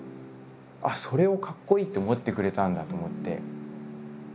あっそれをかっこいいって思ってくれたんだと思って。